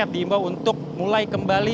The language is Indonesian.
jadi ini adalah hal yang akan terjadi